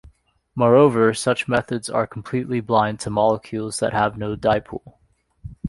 Moreover, such methods are completely blind to molecules that have no dipole.